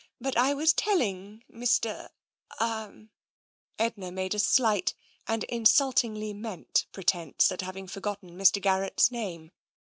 But I was telling Mr.— er " Edna made a slight and insultingly meant pretence at having forgotten Mr. Garrett's name.